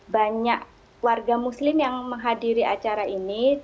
banyak warga muslim yang menghadiri acara ini